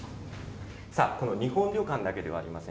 この日本旅館だけではありません。